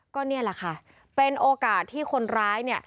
ก็นี่แหละค่ะเป็นโอกาสที่คนร้ายเนี่ย